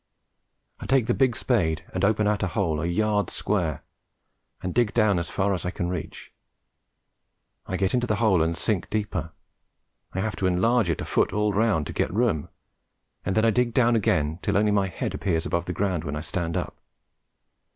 I take the big spade and open out a hole a yard square, and dig down as far as I can reach. I get into the hole and sink deeper. I have to enlarge it a foot all round to get room, and then I dig down again till only my head appears above ground when I stand up.